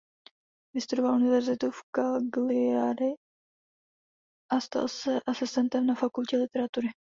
Vystudoval univerzitu v Cagliari a stal se asistentem na fakultě literatury.